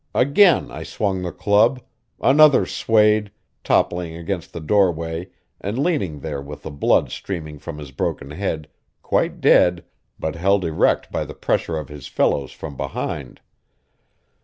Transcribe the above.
Again I swung the club; another swayed, toppling against the doorway and leaning there with the blood streaming from his broken head, quite dead, but held erect by the pressure of his fellows from behind.